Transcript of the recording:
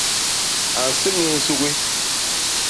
A nséñés nsugi.